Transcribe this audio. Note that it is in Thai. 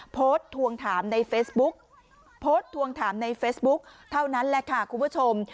โพสต์ทวงถามในเฟสบุ๊คเท่านั้นแหละค่ะคุณผู้ชม